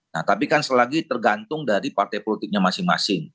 nah tapi kan selagi tergantung dari partai politiknya masing masing